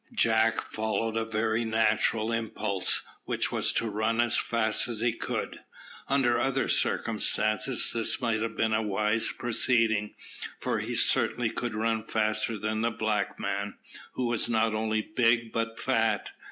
Jack followed a very natural impulse, which was to run as fast as he could. Under other circumstances this might have been a wise proceeding, for he certainly could run faster than the black man, who was not only big but fat.